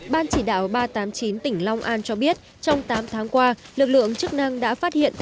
ban chỉ đạo ba trăm tám mươi chín tỉnh long an cho biết trong tám tháng qua lực lượng chức năng đã phát hiện